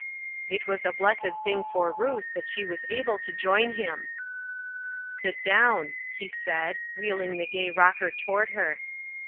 It was a blessed thing for Ruth that she was able to join him. "Sit down," he said, wheeling the gay rocker toward her.